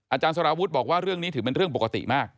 อาจารย์สารวุฒิบอกว่าเรื่องนี้ถือเป็นเรื่องปกติมาก